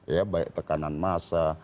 ya baik tekanan massa